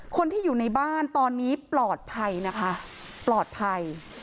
คนที่อยู่ในบ้านตอนนี้ปลอดภัยนะคะปลอดภัย